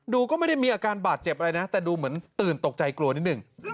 ก็ไม่ได้มีอาการบาดเจ็บอะไรนะแต่ดูเหมือนตื่นตกใจกลัวนิดนึง